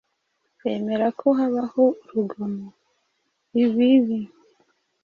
wemera ko habaho urugomo, ibibi,